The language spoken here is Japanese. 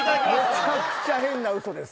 めちゃくちゃ変な嘘です。